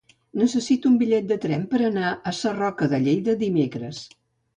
Necessito un bitllet de tren per anar a Sarroca de Lleida dimecres.